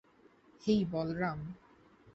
হেই, Balaram?